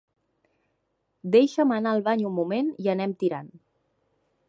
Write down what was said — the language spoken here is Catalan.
Deixa'm anar al bany un moment i anem tirant.